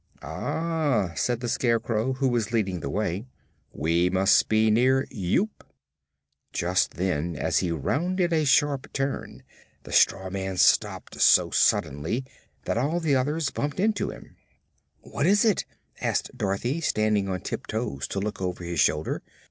"Ah," said the Scarecrow, who was leading the way, "we must be near Yoop." Just then, as he rounded a sharp turn, the Straw man stopped so suddenly that all the others bumped against him. "What is it?" asked Dorothy, standing on tip toes to look over his shoulder.